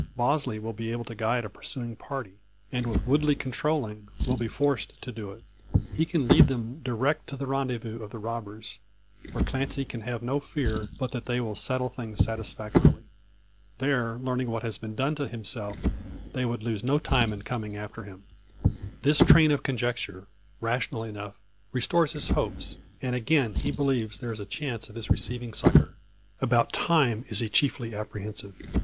Bosley will be able to guide a pursuing party, and with Woodley controlling, will be forced to do it. He can lead them direct to the rendezvous of the robbers; where Clancy can have no fear but that they will settle things satisfactorily. There learning what has been done to himself, they would lose no time in coming after him. This train of conjecture, rational enough, restores his hopes, and again he believes there is a chance of his receiving succour. About time is he chiefly apprehensive.